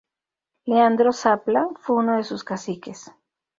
Leandro Zapla fue uno de sus caciques.